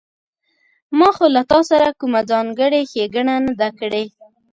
ما خو له تاسره کومه ځانګړې ښېګڼه نه ده کړې